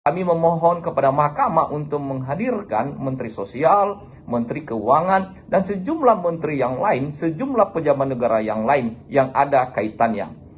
kami memohon kepada mahkamah untuk menghadirkan menteri sosial menteri keuangan dan sejumlah menteri yang lain sejumlah pejabat negara yang lain yang ada kaitannya